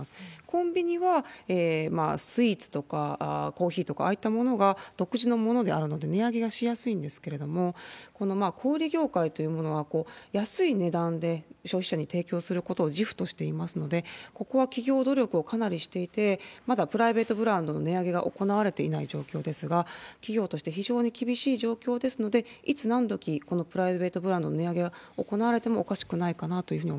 コンビニはスイーツとかコーヒーとか、ああいったものが独自のものであるので値上げがしやすいんですけれども、この小売り業界というものは、安い値段で消費者に提供することを自負としていますので、ここは企業努力をかなりしていて、まだプライベートブランドの値上げが行われていない状況ですが、企業として非常に厳しい状況ですので、いつなんどき、このプライベートブランドの値上げが行われてもおかしくないかなというふう